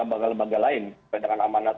lembaga lembaga lain seperti dengan amanah